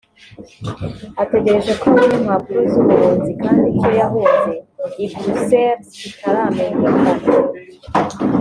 ategereje ko abona impapuro z’ubuhunzi kandi icyo yahunze I Bruxelles kitaramenyakana